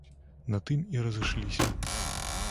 На тым і разышліся.